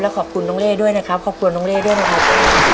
ขอบคุณน้องเล่ด้วยนะครับขอบคุณน้องเล่ด้วยนะครับ